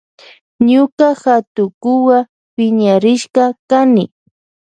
Ñuka hatukuwa piñarishka kani.